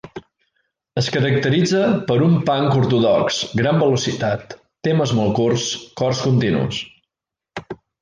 Es caracteritza per un punk ortodox, gran velocitat, temes molt curts, cors continus.